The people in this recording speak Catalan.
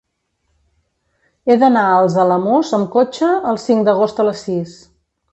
He d'anar als Alamús amb cotxe el cinc d'agost a les sis.